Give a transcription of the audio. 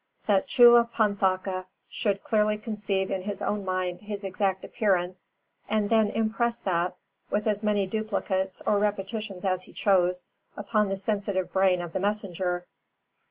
That Chullapanthaka should clearly conceive in his own mind his exact appearance, and then impress that, with as many duplicates or repetitions as he chose, upon the sensitive brain of the messenger.